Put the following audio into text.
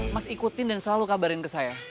mas ikutin dan selalu kabarin ke saya